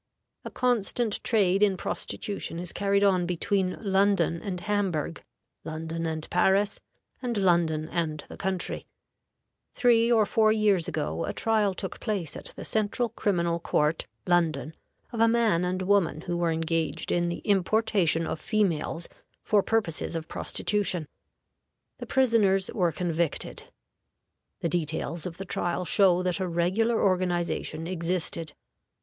A constant trade in prostitution is carried on between London and Hamburg, London and Paris, and London and the country. Three or four years ago a trial took place at the Central Criminal Court (London) of a man and woman who were engaged in the importation of females for purposes of prostitution. The prisoners were convicted. The details of the trial show that a regular organization existed.